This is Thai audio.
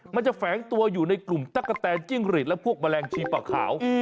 มันจะแฝงตัวอยู่ในกลุ่มตั๊กกะแตนจิ้งหรีดและพวกแมลงชีปะขาว